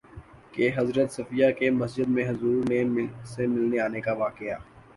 کہ حضرت صفیہ کے مسجد میں حضور سے ملنے آنے کا واقعہ